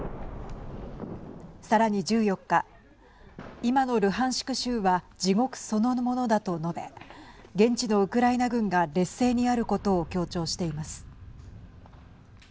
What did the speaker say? さらに１４日今のルハンシク州は地獄そのものだと述べ現地のウクライナ軍が劣勢にあることを強調しています。